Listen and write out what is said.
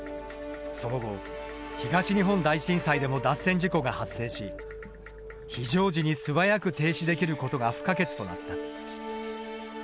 その後東日本大震災でも脱線事故が発生し非常時に素早く停止できることが不可欠となった。